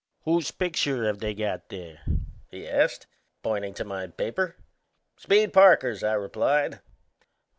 "Whose picture have they got there?" he asked, pointing to my paper. "Speed Parker's," I replied.